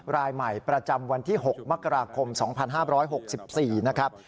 รายใหม่ประจำวันที่๖มกราคม๒๕๖๔นะครับ